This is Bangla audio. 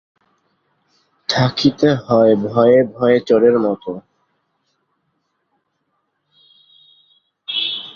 থাকিতে হয় ভয়ে ভয়ে চোরের মতো।